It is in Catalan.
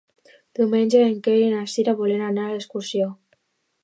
Diumenge en Quer i na Cira volen anar d'excursió.